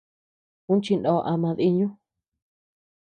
Uu chinó ama diiñu.